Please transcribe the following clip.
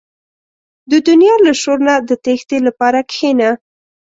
• د دنیا له شور نه د تیښتې لپاره کښېنه.